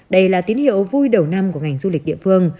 đây là tín hiệu vui đầu năm của ngành du lịch địa phương